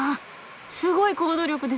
すごい行動力ですね！